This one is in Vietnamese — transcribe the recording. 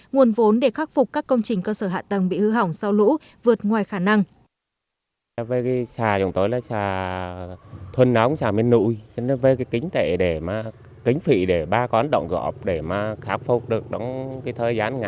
nguồn vốn để khắc phục các công trình cơ sở hạ tầng bị hư hỏng sau lũ vượt ngoài khả năng